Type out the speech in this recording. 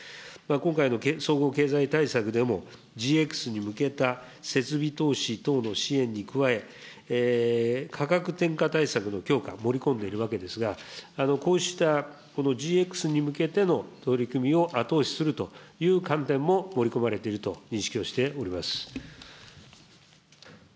今回の総合経済対策でも、ＧＸに向けた設備投資等の支援に加え、価格転嫁対策の強化、盛り込んでいるわけですが、こうしたこのＧＸに向けての取り組みを後押しするという観点も盛り込まれていると認識をしております。